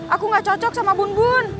aku gak cocok sama bun bun